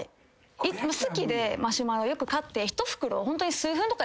好きでマシュマロよく買って。